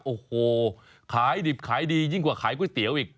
โอ้โหขายดิบขายดียิ่งกว่าขายก๋วยเตี๋ยวอีก